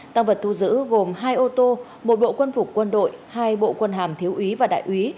tăng vật thu giữ gồm hai ô tô một bộ quân phục quân đội hai bộ quân hàm thiếu úy và đại úy